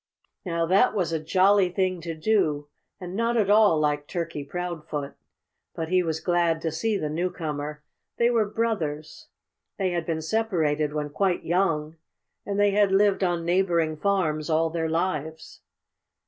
Now, that was a jolly thing to do and not at all like Turkey Proudfoot. But he was glad to see the newcomer. They were brothers. They had been separated when quite young; and they had lived on neighboring farms all their lives.